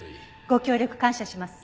ご協力感謝します。